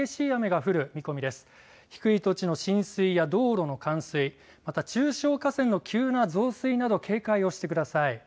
低い土地の浸水や道路の冠水、また中小河川の急な増水など警戒をしてください。